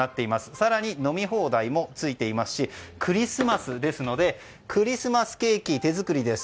更に、飲み放題もついていますしクリスマスですのでクリスマスケーキ、手作りです。